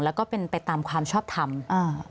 แล้วก็เป็นไปตามความชอบทำอ่า